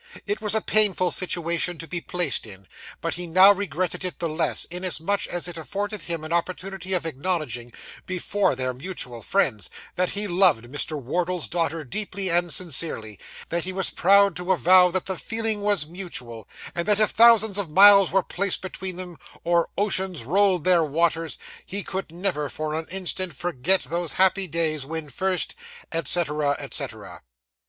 It was a painful situation to be placed in; but he now regretted it the less, inasmuch as it afforded him an opportunity of acknowledging, before their mutual friends, that he loved Mr. Wardle's daughter deeply and sincerely; that he was proud to avow that the feeling was mutual; and that if thousands of miles were placed between them, or oceans rolled their waters, he could never for an instant forget those happy days, when first et cetera, et cetera.